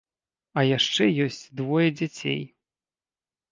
А яшчэ ёсць двое дзяцей.